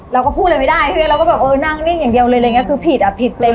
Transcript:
เราก็พูดอะไรไม่ได้เราก็แบบเออนั่งนี่อย่างเดียวเลยคือผิดอะผิดเลย